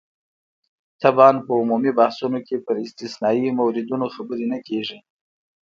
طبعاً په عمومي بحثونو کې پر استثنايي موردونو خبرې نه کېږي.